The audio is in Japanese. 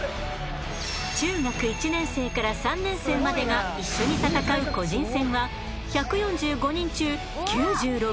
中学１年生から３年生までが一緒に戦う個人戦は。